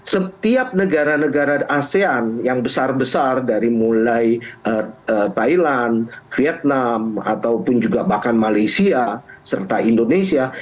setiap negara negara asean yang besar besar dari mulai thailand vietnam ataupun juga bahkan malaysia serta indonesia